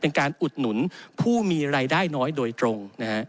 เป็นการอุดหนุนผู้มีรายได้น้อยโดยตรง